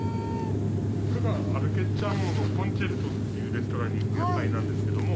これがアル・ケッチァーノのコンチェルトっていうレストランに行く野菜なんですけども。